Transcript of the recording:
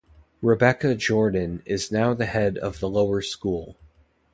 Rebekah Jordan is now the Head of the Lower School.